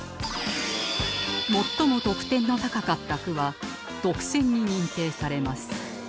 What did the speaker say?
最も得点の高かった句は特選に認定されます